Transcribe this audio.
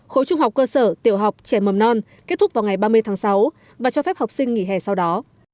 khối trung học cơ sở tiểu học trẻ mầm non kết thúc vào ngày ba mươi tháng sáu và cho phép học sinh nghỉ hè sau đó